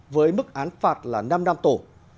với mức án phạt là năm năm tổ